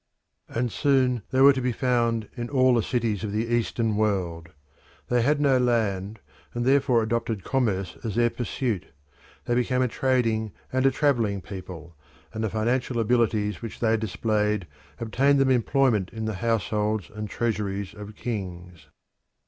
And soon they were to be found in all the cities of the Eastern world. They had no land, and therefore adopted commerce as their pursuit; they became a trading and a travelling people, and the financial abilities which they displayed obtained them employment in the households and treasuries of kings.